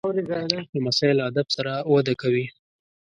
لمسی له ادب سره وده کوي.